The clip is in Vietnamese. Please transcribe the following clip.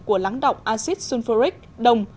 của lắng động acid sulfuric đồng